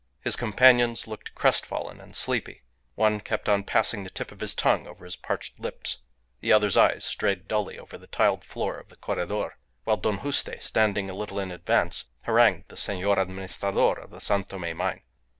His companions looked crestfallen and sleepy. One kept on passing the tip of his tongue over his parched lips; the other's eyes strayed dully over the tiled floor of the corredor, while Don Juste, standing a little in advance, harangued the Senor Administrador of the San Tome mine.